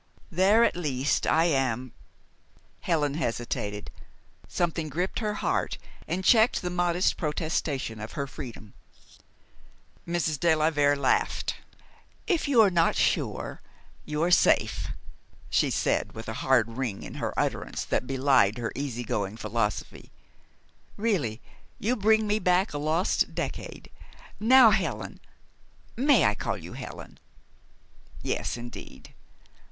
"There, at least, I am " Helen hesitated. Something gripped her heart and checked the modest protestation of her freedom. Mrs. de la Vere laughed. "If you are not sure, you are safe," she said, with a hard ring in her utterance that belied her easygoing philosophy. "Really, you bring me back a lost decade. Now, Helen may I call you Helen?" "Yes, indeed."